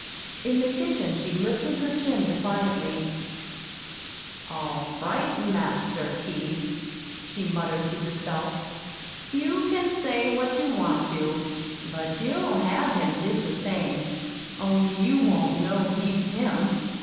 In the kitchen she lifted her chin defiantly. "All right, Master Keith," she muttered to herself. "You can say what you want to, but you'll have him jest the same only you won't know he's HIM.